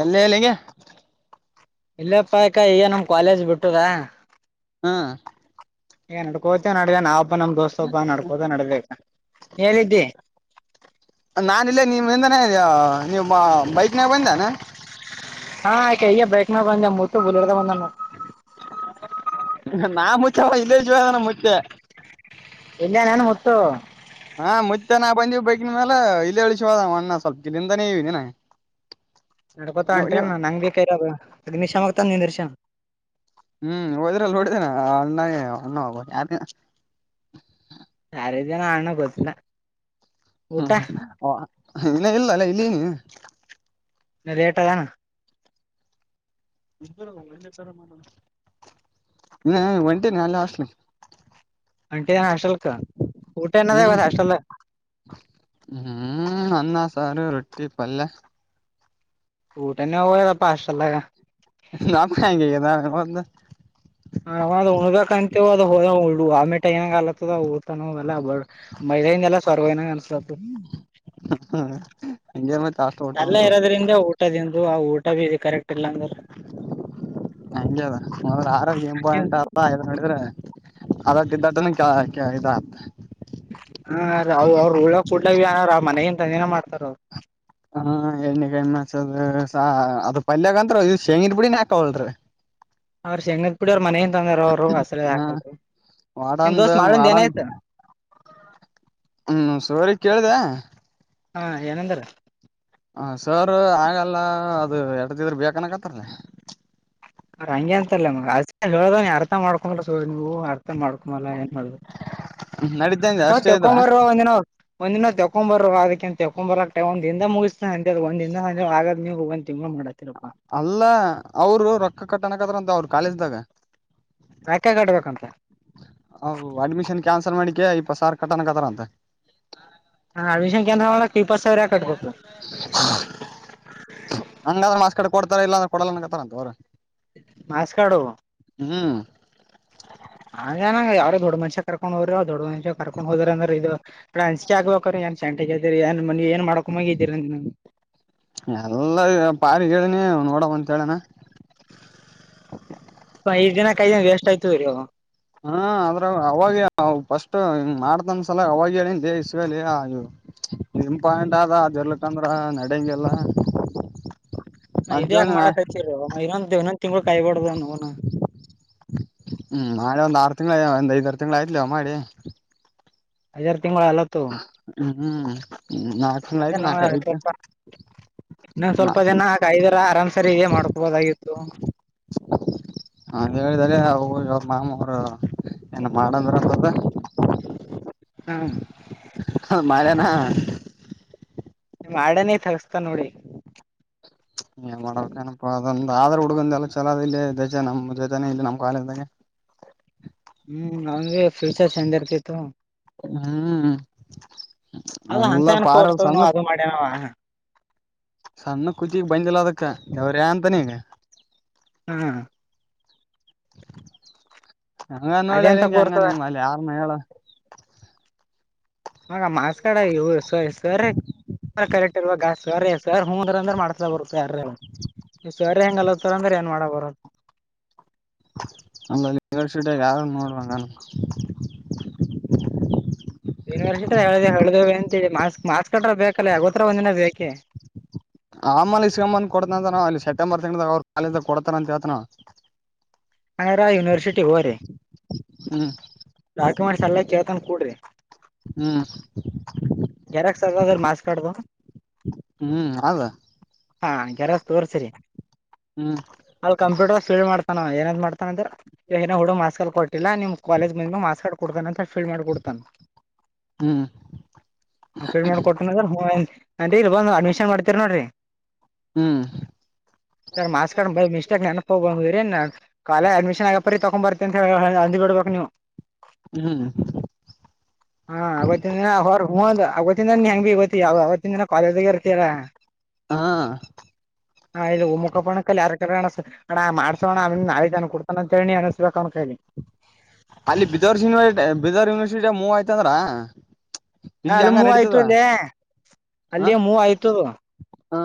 ಎಲ್ಲಿ ಎಲ್ಲಿಗೆ. ಇಲ್ಲೆ ಪ್ಪ ಕಾ ಈಕ ನಮ್ ಕಾಲೇಜ್ ಬಿಟ್ಟದಾ. ಹ. ಈಗ ನಡ್ಕೋತ ನಡ್ದ ನಾವ ಒಬ್ಬ ನಮ್ ದೋಸ್ತ ಒಬ್ಬ ನಡ್ಕೋತ ನಡ್ದ ಈಗ. ನೀ ಎಲ್ಲಿ ಇದ್ದಿ. ನಾನ ಇಲ್ಲೇ ನಿಮ್ಮ ಹಿಂದೇನೆ ನೀಮ ಬೈಕ್ನಾಗ ಬಂದಿನ. ಹಾ ಕಯ ಬೈಕ್ ನ ಬಂದೆ ಮುತ್ತು ಬುಲ್ಡತ ಬಂದಾನ ನೋಡ್. ನಾ ಮುತ್ಯಾವ ಇಲ್ಲೇ ಇದೀವ ಮುತ್ಯಾ. ಇಲ್ಲೇ ಅದಾನ್ ಮುತ್ತು. ಹಾ ಮುತ್ಯಾ ನಾ ಬಂದಿವ್ ಬೈಕಿನ ಮ್ಯಾಲ ಇಲ್ಲೇ ಇಳಿಸ ಹೋದ ಅವ ಅಣ್ಣ ಸ್ವಲ್ಪ ಗಿಳಿಂದನೆ ಏನ. ನಡ್ಕೋತ ಹೊಂಟಿರನ ನಂಗ ಬಿ ಕರಿ ಬ್ರೋ ಹದ ನಿಮಿಷ ಆಗ್ತ ನಿಂದರ್ಷ. ಹ್ಮ್ ಹೋದ್ರಲ್ಲಿ ನೊಡಿದೇನ ಅಣ್ಣಾಗ ಅಣ್ಣ ಹೋಗ ಯಾರ. ಯಾರಿದಿವ ಅಣ್ಣಾ ಗೊತ್ತಿಲ್ಲಾ. ಹ್ಮ್ ಹ ಇಲ್ಲ ಇಲ್ಲಲ್ಲ ಇಲ್ಲಿ. ಇನ್ನ ಲೇಟ್. [inaudible] ಹ್ಮ್ ಹ್ಮ್ ಒಂಟಿನ್ ಅಲ್ಲೇ ಹಾಸ್ಟಿಲ್ಗೆ. ಒಂಟಿ ಏನ್ ಹಾಸ್ಟೆಲ್ಕ್ ಊಟ ಏನ್ ಅದ ಹ್ಮ್ ಇವತ್ ಹಾಸ್ಟೆಲ್ದಾಗ್. ಹ್ಮ್ ಅನ್ನ, ಸಾರು, ರೊಟ್ಟಿ, ಪಲ್ಯ. ಊಟನೆ ಹೋಗುವಲ್ದಾಗ್ಯಾದಪ್ಪ ಹಾಸ್ಟೆಲ್ದಾಗ [unintelligible] ಅವಾಗ ಉಣಬೇಕಂತೀವ ಅದ ವಾಮಿಟ್ [unintelligible] ಊಟನು ಹೋಗಲ್ಲ [unintelligible] ಹಾ ಎಲ್ಲ ಇರೋದ್ರಿಂದ ಊಟದಂದು ಆ ಊಟ ಭಿ ಕರೆಕ್ಟ್ ಇಲ್ಲ ಅಂದ್ರ ಹಂಗೆ ಅದ ಮೊದ್ಲು ಆರೋಗ್ಯ ಇಂಪಾರ್ಟೆಂಟ್ ಅದ ಇದನ್ನ ನೋಡಿದ್ರ ಅದರ್ಕಿನ ದಟ್ಟನ ಕೆಳಗಿದಾತ ಹಾ ಅವ ಅವರು ಉಳ್ಳ ಡ್ನಾರ ಮನಗನ್ ತಂದೆನ ಮಾಡ್ತಾರ ಅವ್ರು ಹಾ ಎಣ್ಣೆ ಕಾಯಸದ ಅದ ಪಲ್ಯಾಗ ಅಂತ ಇ ಶೇಂಗಿದ ಪುಡಿನ ಹಾಕವಲ್ರಿ ಅವ್ರ ಶೇಂಗದ ಪುಡಿ ಅವ್ರ ಮನೆ ಇಂದ ತಂದಾರ ಅವ್ರು ಹಸಲೀ ಹಾಕಲ್ರ ವಾರ್ಡನ್ ದು ವಾರ್ಡನ್ ಹ್ಮ ಸೋರಿಗ್ ಕೇಳ್ದೆ ಹಾ ಏನಂದ್ರ ಸರ್ ಆಗಲ್ಲ ಅದು ಎಟ್ಟೊತ್ತಿದ್ರು ಬೇಕನ್ನಕುತ್ತಾರ ಲೇ ಅವ ಹಂಗೆ ಅಂತಲ್ಲ ಮಗ ಹೇಳ ಅರ್ಥ ಮಾಡ್ಕೊಂಬಲ್ಲ ಸೋ ನೀವು ಅರ್ಥ ಮಾಡ್ಕೊಂಬಲ್ಲ ಏನ್ ಮಾಡುದ ನಡಿದ್ದೇಂದ ಹೋ ಅಷ್ಟೇ ಇದ್ರ ತ್ತೆಕೊಂಬರೋ ಒಂದಿನ ಒಂದಿನ ತೆಕ್ಕೊಂಬರ್ರೋ [unintelligible] ಅಲ್ಲ ಅವರು ರೊಕ್ಕ ಕಟ್ಟಣಕ್ಕದ್ರ ಅಂತ ಅವರು ಕಾಲೇಜ್ದಾಗ ಯಾಕೆ ಕಟ್ಬೇಕಂತ ಹಾ ಅಡ್ಮಿಷನ್ ಕ್ಯಾನ್ಸಲ್ ಮಾಡ್ಲೀಕೆ ಇಪ್ಪತ್ತು ಸಾವ್ರ್ ಕಟ್ಟಣತ್ತಾರ ಅಂತೆ ಹಾ ಅಡ್ಮಿಷನ್ ಕ್ಯಾನ್ಸಲ್ ಮಾಡಕ್ಕ ಇಪ್ಪತ್ತು ಸಾವಿರ ಯಾಕ್ ಕಟ್ಟಬೇಕು ಹಂಗಾದ್ರ ಮಾಸ್ಕಾಡ ಕೊಡ್ತಾರ ಇಲ್ಲ ಅಂದ್ರ ಕೊಡಲ್ಲ ಅನ್ನಾಕತ್ತಾರಂತ ಅವರು ಮಾರ್ಸ್ ಕಾರ್ಡು ಹ್ಮ್ ಹ ನನಂಗ ಯಾವಾರೋ ದೊಡ್ ಮಷ ಕಕೊಂಡ ಹೋರ ಅವ್ ದೊಡ್ಡ ಮಷ್ಯ ಕರ್ಕೊಂಡ ಹೋದ್ರಂದ್ರ ಇ ಅಸಿ ಆಬೇಕ [unintelligible] ಎಲ್ಲ ಪಾರಿಗ್ಹೇಳನಿ ನೋಡವ ಅಂತ ಹೇಳನ [unintelligible] ಹಾ ಆದ್ರ ಅವಾಗ ಫಸ್ಟ್ ಮಾಡ್ತನ್ ಸಲ ಅವಾಗ ಹೇಳಿನ್ಲೇ ಇಸ್ಗೊ ಲೇ ನಿಮ್ ಪಾಯಿಂಟ್ ಆದ ಅದುರ್ಲಿಕ್ಕಂದ್ರ ನಡೆಂಗಿಲ್ಲ. ಇದ್ಯಾಕ್ ಮಾಡಕ್ ಹಚ್ಚೀರೋ ಇನ್ನೊಂದ್ ಇನ್ನೊಂದ್ ತಿಂಗ್ಳ ಕಾಯ್ಬಡ್ದನೌನ ಹ್ಮ್ ನಾಳೆ ಒಂದ್ ಆರು ತಿಂಗಳ ಒಂದ್ ಐದ್ ಆರು ತಿಂಗಳು ಆಯ್ತ ಲೇವ ಮಾಡಿ [unintelligible] ಹ್ಮ್ ನಾಲ್ಕು ತಿಂಗಳ [unintelligible] ಆಯ್ತು ನಾಲ್ಕ ಐತಿ ಇನ್ನೊಂದು ಸ್ವಲ್ಪ ದಿನ‌ ಕಾ ಆರಾಮ್ ಸರಿ ಹೇ ಮಾಡ್ಕೊಬೋದಾಗಿತ್ತು ಹಾ ಹೇಳಿದ್ಯಾ ಲೆ ಅವ್ರ ಮಾಮ ಹಾ ಏನು ಮಾಡಂದ್ರ ಅಂತದ ಹ್ಮ್ ಮಾಡ್ಯನ ನಿಮ್ ಆರ್ಡನ್ನೀಗ್ ತಗಸ್ತ ನೋಡಿ ಏನ್ ಮಾಡ್ಬಕೇನಪ್ಪಾ ಅದ ಆದ್ರ ಹುಡುಗುಂದೆಲ್ಲ ಚುಲೋದ್ ಇಲ್ಲೇ ಜೊತೆ ನಮ್ ಜೊತೆ ಕಾಲೇಜಿದಾಗೆ ಹೂಂ ಅವನಿಗೆ ಫ್ಯೂಚರ್ಸ್ ಚಂದ ಇರ್ತಿತ್ತು ಹ್ಮ್ ಅದು ಅಂತ ಎಲ್ಲ ಏನ್ ಪಾರ ಕೋರ್ಸನು ಸಣ್ಣ ಅದು ಮಾಡ್ಯನವ ಸಣ್ಣ ಕುತ್ತಿಗ್ ಬಂದಿಲ್ಲ ಅದಕ್ಕ ದಾವ್ರ್ಯ ಅಂತಾನ ಈ‌ ಹ್ಮ್ ಹಂಗ ಅದೇ ನೋಡ್ಲೆ ಅಂತ ಹೆಂಗೆ ಕೋರ್ಸದ [unintelligible] ಯಾರ್ನ ಹೇಳ ಮಗ ಮಾರ್ಕ್ಸ್ ಕಾರ್ಡ್ ಇವು ಸರ್ ಕರೆಕ್ಟ್ ಇರ್ಬೇಕಾ ಸರ್ ಸರ್ ಹೂಂ ಅಂದ್ರೆ ಮಾಡಸ್ಲೆಬರು ಸರ್ ನೀ ಸರ್ ಹೆಂಗಲ್ಲತ್ತಂದ್ರೆ ಏನ್ ಮಾಡಕ ಬರ. ಅಲ್ಲಟ ಯಾರ ನೋಡುವಂಗನ್ಪ [unintelligible] ಯೂನಿವರ್ಸಿಟಿ ಹೊಡೆದೆವು ಅಂತ ಹೇಳ್ತಿವಿ ಮಾರ್ಕ್ಸ್ ಕಾರ್ಡ್ ಬೇಕಲ್ಲ ಯಾವತ್ತೊಂದಿನ ಬೇಕೇ. ಆಮೇಲೆ ಇಸ್ಕೊಂಡು ಬಂದು ಕೊಡ್ತನಿ ಅಂತ ನಾವ್ ಅಲ್ಲಿ ಸೆಪ್ಟೆಂಬರ್ ತಿಂಗಳಗ ಅವ್ರು ಕಾಲೇಜ್ ನಲ್ಲಿ ಕೊಡ್ತಾರ ಅಂತ ಹೇಳ್ತನ ಅವ. ಹಂಗಾರ ಯೂನಿವರ್ಸಿಟಿ ಹೋಗ್ರಿ ಹ್ಮ್ ಡಾಕ್ಯುಮೆಂಟ್ಸ್ ಎಲ್ಲಾ ಕೇಳ್ತನ್ ಕೋಡ್ರಿ. ಹ್ಮ್. ಜೆರಾಕ್ಸ್ ಅದವ ಮಾರ್ಕ್ ಕಾರ್ಡ್ದು. ಹ್ಮ್ ಅದ ಹಾ ಜೆರಾಕ್ಸ್ ತೋರ್ಸಿರಿ. ಹ್ಮ್ ಅಲ್ಲಿ ಕಂಪ್ಯೂಟರ್ ಫೀಲ್ಡ್ ಮಾಡತಾನ ಏನಾದ್ ಮಾಡತಾನ ಅಂದ್ರೆ ಅಲಾ ಏನೋ ಬಿಡು ಮಾರ್ಕ್ಸ್ ಕಾರ್ಡ್ ಕೊಟ್ಟಿಲ್ಲ ನಿಮ್ ಕಾಲೇಜ್ ಇಂದ ಮಾ. ಮಾರ್ಕ್ಸ್ ಕಾರ್ಡ್ ಕೊಡ್ತಾನ ಅಂತ ಫೀಲ್ಡ್ ಮಾಡಕೊಡ್ತಾನ. ಹ್ಮ್ ಅವ ಫೀಲ್ಡ್ ಮಾಡಿಕೊಟ್ರಾ ಇ ಅಡ್ಮಿಷನ್ ಮಾಡ್ತೀರಿ ನೋಡ್ರಿ. ಹ್ಮ್ ಸರ್ ಮಾರ್ಕ್ಸ್ ಕಾರ್ಡ್ ಬೇಕು ಇಷ್ಟೇ ನೆನಪು ಇವರ ಅನ್ನು. ಕಾಲೇಜು ಅಡ್ಮಿಷನ್ ಹಾಗೋಪಾರಿ ತಗೊಂಡ್ ಬರ್ತೀನಿ ಅಂತ ಅಂದು ಬಿಡ್ಬೇಕು ನೀವು. ಹ್ಮ್. ಹಾ ಅವತ್ತಿನ ದಿನ ಹೊರ ಹಂದ್ ಆಗತ್ತಿನ ನಿ ಹಿಂಗ ಹೊತ್ತಿನ ಅವತ್ತಿಂದ ದಿನ ಕಾಲೇಜು ನಲ್ಲಿ ಇರು. ಈರ ಹಾ ಹ ಇದು ಉಪ ಮುಖಪಣ ಕಲ್ಲಿಯಾರ. ಅಣ್ಣ ಮಾಡಸೋಣ್ಣ ಆ ನಾಳಿನ ತಂದು ಕೊಡಿತೀನಿ ಅನ್ನಿಸ್ಬೇಕು ನಿ ಕೈಗೆ. ಅಲ್ಲಿ Bidar university Bidar university move ಆಯ್ತ ಅಂದ್ರ. ಇಲ್ಲಿ ಅಲ್ ಹಂಗ ನಡೀತದ ಮೂವಾಯ್ತು [unintelligible] ಹ ಅಲ್ಲಿಯ ಮೂವ ಆಯ್ತು ಹ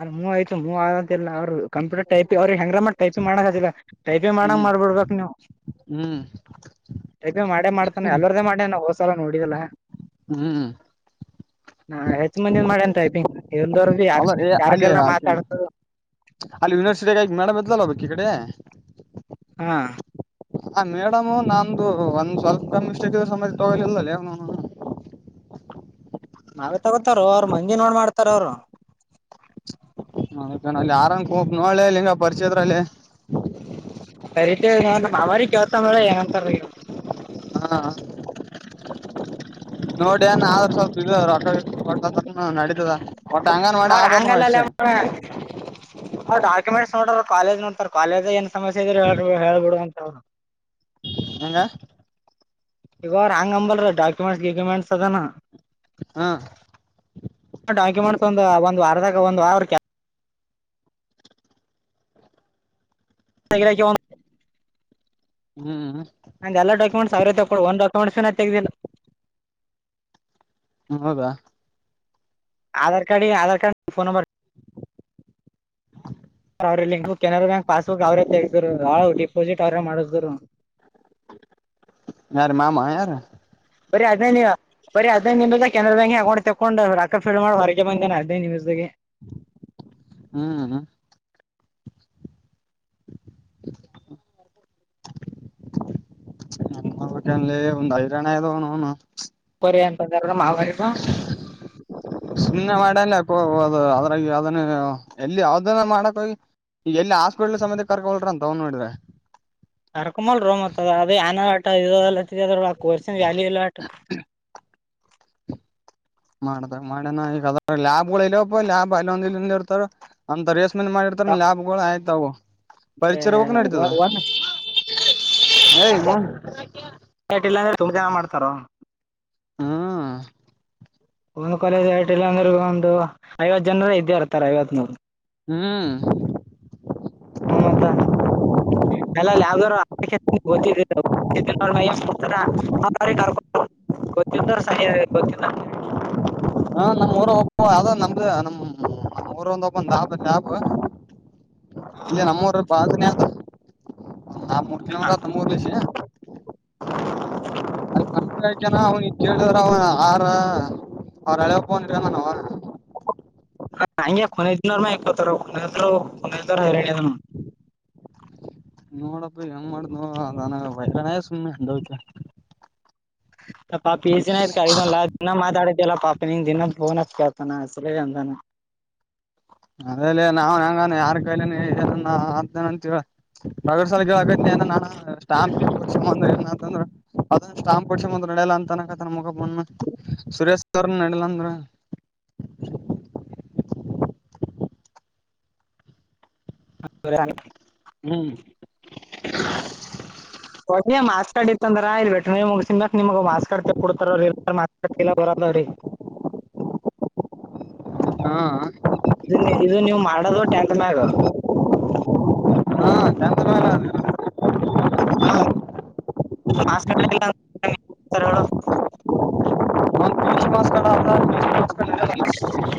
ಅಲ್ಲಿ ಮೂವ ಆಯ್ತು ಮೂವ ಆಂತಲ್ಲ ಅವರು. ಕಂಪ್ಯೂಟರ್ ಟೈಪಿಂಗ್ ಅವ್ರಿಗೆ ಹೆಂಗರ ಮಾಡಿ ಟೈಪಿಂಗ್ ಮಾಡಕ್ ಅಂದಿಲ್ಲ ಟೈಪಿಂಗ್ ಮಾಡಕ್ ಹ್ಮ್ ಮಾಡ್ಬಿಡ್ಬೇಕು ನೀವು. ಹ್ಮ್ ಟೈಪಿಂಗ್ ಮಾಡೇ ಮಾಡ್ತಾನ ಎಲ್ಲರದು ಮಾಡೇನಾ ಹೋದ್ ಸಲ ನೋಡಿದಿ ಯಲ್ಲಾ ಹ್ಮ್. ಹಾ ಹೆಚ್ಚ ಮಂದಿನ ಮಾಡನ್ ಟೈಪಿಂಗ್. ಎಲ್ಲರ್ದು ಯಾರ್ ಅಲ್ಲಾರಿ ಯಾರ್ ಅಲ್ಲಿ ಕೈಲಾರ ಆಕಿ ಮಾತಾಡ್ ಯನಿವರ್ಸಿಟ ಮೇಡಮ್ ಇದ್ದಲ ಅಲಾ. ಇ ಕಡೇ. ಹಾ. ಆ ಮೇಡಮು ನಂದು ಒಂದ್ ಸ್ವಲ್ಪ ಮಿಸ್ಟೇಕ್ ಇದ್ರೂ ತೊಗೋಲಿಲ್ಲ್ಲ ಅವನವನ್ನ. [unintelligible] ನಾವೇ ತಗೋತಾರ ಅವರು ಮಂದಿ ನೋಡಿ ಮಾಡ್ತಾರ ಅವರು. ನತನಲ್ಲಿ ಆರೋಲಿ ಹಕ್ ನೋಡು ಹಂಗ ಪರಿಚಯದ್ರಲ್ಲಿ. ಸರಿ ತಗೊ ನವಾರಿ ಕೇಳ್ತರಿ ಏನ್ ಅಂತರಿ. ಹ ನೋಡಿ ನಾವು ಸ್ವಲ್ಪ ಇದ ರೊಕ್ಕ ಗಿಕ್ಕ ಕೊಟ್ರ ನಡಿತದ. ಅವ್ರ ಹಂಗಲ್ಲಲ್ಲ ಅವರು ಡಾಕ್ಯುಮೆಂಟ್ಸ್. ನೋಡ್ರ ಕಾಲೇಜ್ ನೋಡ್ತಾರ ಕಾಲೇಜ್ ಏನ್ ಸಮಸ್ಯೆ ಇದ್ರೆ ಹಳ್ಬ ಬಿಡುವ ಅಂತರು. ಹೆಂಗ. ಇವ ಅವಂಗ ಅನ್ನಲಾರಿ ಡಾಕ್ಯುಮೆಂಟ್ಸ್ ಗಿಕ್ಯುಮೆಟ್ಸ್ ಅದಾ. ಹ್ಮ್ಮ್. ಡಾಕ್ಯುಮೆಂಟ್ಸ್ ಒಂದು ಒಂದ್ ವಾರದಾಗ ಒಂದ್ ವರ. ಹ [inaudible] ಹ್ಮ್. ನಂದ ಎಲ್ಲ ಡಾಕ್ಯುಮೆಂಟ್ಸ್ ಸಾವಿರ ತೊಕೊ ಒಂದ ಡಾಕ್ಯುಮೆಂಟ್ಸ್ನ ತೆಗ್ದಿಲ್ಲ. ಹ್ಮ ಹೌದಾ. ಆಧಾರ್ ಕಾರ್ಡ್ ಈ ಆಧಾರ್ ಕಾರ್ಡ್ಫೋನ್ ನಂಬರ್. ಹ ಅವ್ರ link book Canara bank passbook ಅವ್ರೇ ತೆಗೆಗ್ರು ಹಾ ಡಿಪಾಸಿಟ್ ಅವ್ರೇ ಮಾಡ್ರು. ಯಾರ ಮಾಮಾ ಯಾರು. ಬರಿ ಹದಿನೈದುಮದ ಕೆರಾ ಬ್ಯಾಂಕ್ ಅಕೌಂಟ್ ತೊಂಡು ರಕ್ಕ ಫಲ್ ಮಾಡಿ ಹೊರಗೆ ಬಂದೇೆ ಹದಿನೈ ನಿಮಿದಾಗ. ಹ್ಮ. ಹ ನಟ್ಟಲ್ಲಿ ಒಂದ್ ಐದಣ ಇದದವನು ಅವನು ಏ ಮಾವ ಸುನ್ನ ಮಾಡಲ್ಲದು ಅದ್ರಾಗ ಅದ ಎಲ್ಲಿ ಯಾವ್ದ ಇದನ್ನ ಮಾಡಕ್ ಹೋಗಿ ಈಗ ಎಲ್ಲಿ ಹಾಸ್ಪಿಟ್ಲ್ ಸಮೇ ಕರ್ಕೊಲ್ರ ಅಂತ ಅವ್ ನೋಡಿದ್ರೆ ಕರ್ಕೊಲ್ ರೋತ್ತದ ಅದೇ ಆನ ಆಟ ಇ ಕೊರ್ಸನ್ ಜ್ಯಾಲಿ ಎಲ್ಲಟ ಮಾಡದಾಗ ಮಾಡ್ಯನ ಈಗದ ಲ್ಯಾಬ್ಗಳು ಇಲ್ಪ್ಪ ಲಬ್ ಅಲ್ಲಿ ಒಂದ ಇಂದ ಇರ್ತಾರ ಅಂತ ಮಾಡಿರ್ತಾರ ಲಾಭಳು ಆಯ್ತ ಅವು ಪರಿಚಯ ಹೋಗಕ ನಡತದ ಒಂದ್ ನ ತುಂಬ ಜನ ಮಾಡ್ತಾರೋ ಹಾ ಒಂದು ಕಾಲೇಜ್ ಆಐಲ್ಲ ಅಂದ್ರ ಒಂದು ಐವತ್ತು ಜನರ ಇದ್ದೇ ಇರ್ತಾರೆ ಐವತ್ ನೂರು ಹ್ಮ್ ಹು ಮತ್ತ ಅಲ್ಲ ಗ ಗೋತ್ತಿದ್ದರು ಸರಿ ಗ ಚನ ಹಾ ನಮ್ ಊರ ಹೋಗಬ ಯಾವ ನಮ್ದ ನಮ್ ನಮ್ಮ ರು ಒಂದ ಒಬ್ಬಂದಾಬಾಬ ಇಲ್ಲ ನಮ್ಮೂರುನ ಹಾ ಮೂರ್ ಕಿಲೋ ಮೀಟರ್ ನಮೂರಲಸಿ ಅ ಬಂದ ಜನ ಅವನ ಕೇಳಿ ಅವ ಆರ ಅವ್ರಳೆಕ್ ಬಂದ್ರ ನಾನ ಅವ ನಜ್ನವರನಜ್ವ ಹ ನೋಡಪ್ಪ ಹೆಂಗ ಮಾಡ್ದ್ ನ ಅದಾನ ವೈಕಾನ ಸುಮ್ಮನೆ ಅತ ಹ ಪಾ ಪಿ ಎಸ್ ದಿನ ಆಯ್ತ ಕ ದಿನ ಮಾತಾಡ ಎಲ್ಲ ಪಾಪಿನ ದನ್ನ ಫೋನಚ್ ಕತಾನ ಅಲ್ಲ ಅಂದಾನ ಅದಲ್ಲಿ ನಾವ ಹೆಂಗ ಯಾರ್ ಕಾಯಲ ಏ ಅತೇನಂತ ಬಗ ಸಲಗ ನ್ಟ ಏಂತಂದ್ರರು ಅದ ಸ್ಟ್ಯಾಂಪ ಹೊಡಿಸಿ ಬಂದ್ರ ನಡೆಲ್ಲ ಅಂತನ ಮಗ ಸುರೇಶ್ ಅವ್ರನ್ ನಡಲಂದ್ರ ಹ ಹ್ಮ್ ಏ ಮಾಸ್ ಕಾಡ್ ಇತ್ತಂದ್ರ ಆಯ್ ಬಟ್ರ ನೀ್ಗಸನ್ಕ್ ನಿಮಗ್ ಮಾಸ್ ಕಾಡ್ ಕೊಡ್ತಾರ್ರಸ್ಡ್ಲ್ಲ ಬರದವ್ರೀ ಹಾ ಇ ಇದು ನೀವು ಮಾಡೋದು ಟ್ಯಾಟ್ ಬ್ಯಾಗ ಹಾ ಚಂತ ಹ ಮಾಲ್ಲಗಳು ಮ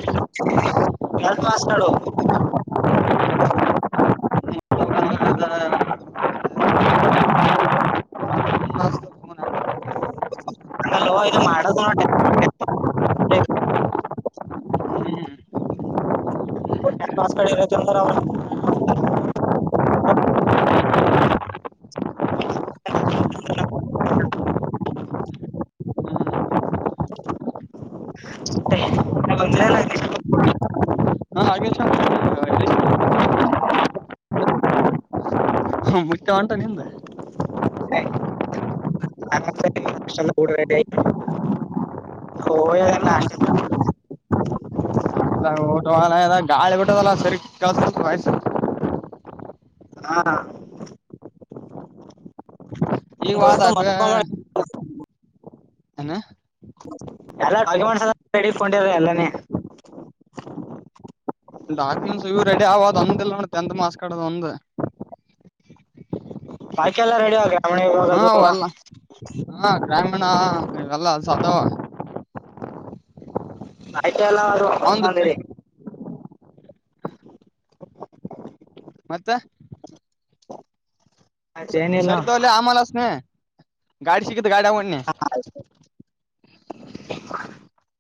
ನಾಸ ನಡೋ [inaudible] ಹ [inaudible] ಲದು ಮಾಡಡ ಗುನ [inaudible] ಕಡೆಂದ ಅವ [inaudible] [inaudible] [inaudible] ಗೊತ್ತಿರಲ್ಲ ಹಾ ಆಗೆ [unintelligible] ಹ [unintelligible] ಮುಟ್ಟ ಅಂಟ ನಿಿಂದೆ [inaudible] ಶ [unintelligible] ಊಟ ಹೋಗಲಾಗೆದ ಗಾಳಿ ಬಿಟ್ಟದಲ್ಲ ಸರಿ ಕೆಳಸ ಲಗೇದ ವಾಯ್ಸ್ ಹಾ ಈಗ ವಾದ ದೋಸ್ತೋ ಮ ಅದ [unintelligible] ಏನ್ ಹ ಎಲ್ಲ ಡಾಕ್ಯುಮೆಂಟ್ಸ್ ಎ ರಡಕೊಂಡಿರ ಎಲ್ಲಾನೇ [unintelligible] ಡಾಕ್ಯುಮೆಂಟ್ಸ್ ಇವು ರೆಡಿ ಆಗ ಒಂದ ಇಲ್ಲ ನೋಡೆಂತ್ ಟೆಂತ್ತ್ ಮಾಸ್ ಕಾರ್ಡ್ ಒಂದ ಪಾಕೆಲ್ಲಾ ರೆಡಿ ಆಗ [unintelligible] ಹಾ ಎಲ್ಲ ಹ ಗ್ರಾಮೀಣ ಇವೆಲ್ಲ ಸದ ಆಯ್ತ ಅವಂದ ಎಲ್ಲಂದರೆ [unintelligible] ಮತ್ತೆ ಏನಿಲ್ಲ ಸರಿ ತೊಗೊ ಲೇ ಆಮೇಲೆ ಅಚ್ಚತೀನಿ ಗಾಡಿ ಸಿಕ್ಕುತ್ತ ಗಾಡೆಗ ಹೊಂಟೀನಿ [inaudible]